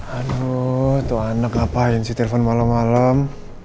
aduh tuh anak ngapain sih telfon malem malem